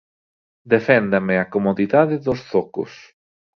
Deféndame a comodidade dos zocos.